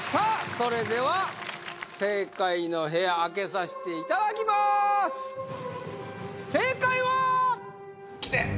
それでは正解の部屋開けさしていただきまーす正解は来て！